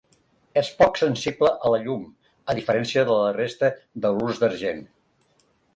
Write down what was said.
És poc sensible a la llum a diferència de la resta d'halurs d'argent.